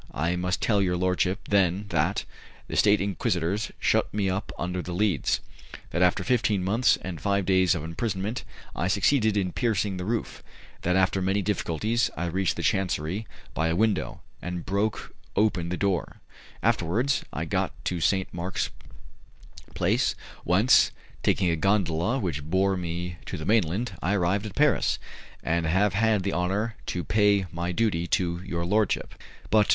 I must tell your lordship, then, that, the State Inquisitors shut me up under the Leads; that after fifteen months and five days of imprisonment I succeeded in piercing the roof; that after many difficulties I reached the chancery by a window, and broke open the door; afterwards I got to St. Mark's Place, whence, taking a gondola which bore me to the mainland, I arrived at Paris, and have had the honour to pay my duty to your lordship." "But....